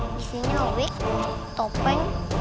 di sini obik topeng